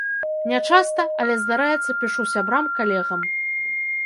Не часта, але, здараецца, пішу сябрам, калегам.